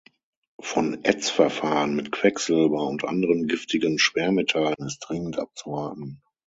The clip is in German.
Von Ätzverfahren mit Quecksilber und anderen giftigen Schwermetallen ist dringend abzuraten.